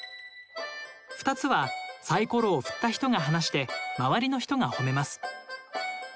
２つはサイコロを振った人が話して周りの人がほめます。